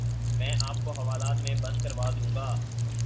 میں آپ کو حوالات میں بند کروا دوں گا